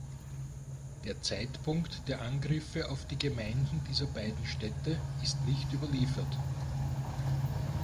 Der Zeitpunkt der Angriffe auf die Gemeinden dieser beiden Städte ist nicht überliefert.